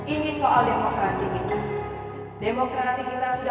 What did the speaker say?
ini soal demokrasi kita demokrasi kita sudah terlalu mahal